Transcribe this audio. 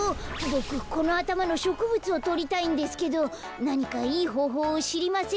ボクこのあたまのしょくぶつをとりたいんですけどなにかいいほうほうをしりませんか？